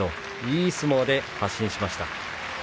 いい相撲で発進しました。